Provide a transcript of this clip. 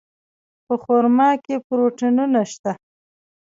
په خرما کې پروټینونه شته.